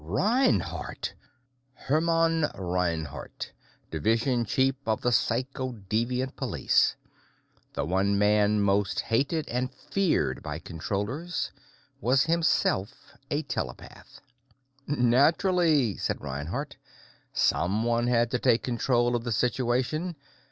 "Reinhardt!" Hermann Reinhardt, Division Chief of the Psychodeviant Police, the one man most hated and feared by Controllers, was himself a telepath! "Naturally," said Reinhardt. "Someone had to take control of the situation.